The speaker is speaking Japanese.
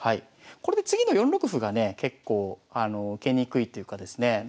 これで次の４六歩がね結構受けにくいというかですね